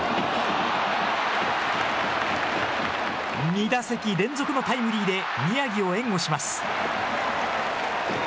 ２打席連続のタイムリーで宮城を援護します。